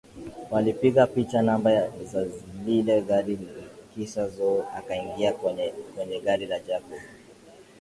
Walipiga picha namba za lile gari kisha Zo akaingia kwenye gari la Jacob